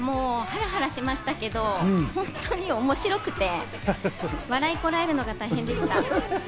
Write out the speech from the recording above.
ハラハラしましたけど、本当に面白くて笑いをこらえるのが大変でした。